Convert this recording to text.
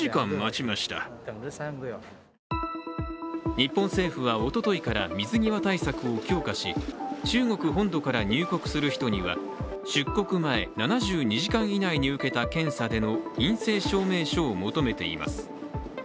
日本政府はおとといから水際対策を強化し中国本土から入国する人には出国前、７２時間以内に受けた検査での陰性証明書を求めています。